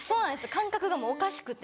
感覚がもうおかしくて。